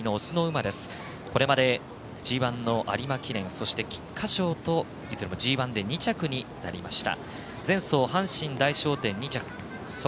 これまでＧＩの有馬記念そして、菊花賞といずれもＧＩで２着になりました。